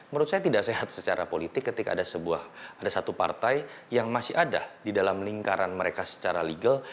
menurut saya tidak sehat secara politik ketika ada sebuah ada satu partai yang masih ada di dalam lingkaran mereka secara legal